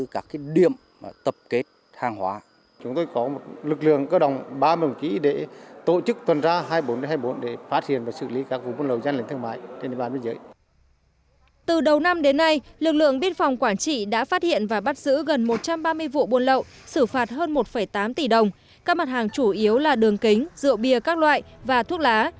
các đối tượng đã bất chấp chở hơn một tám tỷ đồng các mặt hàng chủ yếu là đường kính rượu bia các loại và thuốc lá